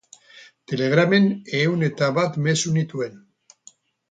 Telegramen ehun eta bat mezu nituen.